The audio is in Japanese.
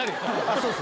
そうっす。